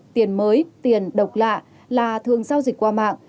tiền mới tiền độc lạ là thường giao dịch qua mạng